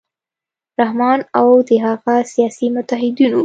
رحمان او د هغه سیاسي متحدینو